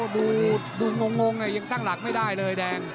ดูงงยังตั้งหลักไม่ได้เลยแดง